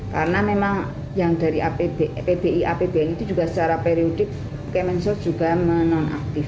karena memang yang dari pbi apbn itu juga secara periodik kemensot juga menonaktifkan